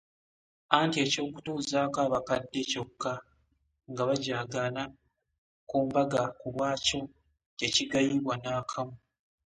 Anti eky’okutuuzaako abakadde kyokka nga bajaagaana ku mbaga ku bwakyo tekigayibwa n’akamu.